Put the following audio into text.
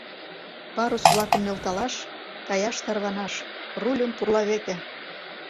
— Парус-влакым нӧлталаш, каяш тарванаш, рульым пурла веке!